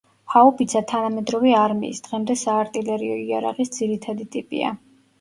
ჰაუბიცა თანამედრო არმიის, დღემდე საარტილერიო იარაღის ძირითადი ტიპია.